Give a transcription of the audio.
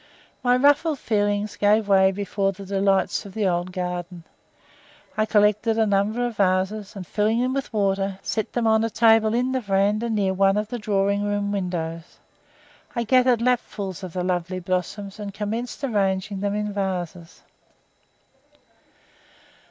My ruffled feelings gave way before the delights of the old garden. I collected a number of vases, and, filling them with water, set them on a table in the veranda near one of the drawing room windows. I gathered lapfuls of the lovely blossoms, and commenced arranging them in the vases.